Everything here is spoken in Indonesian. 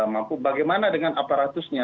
mampu bagaimana dengan aparatusnya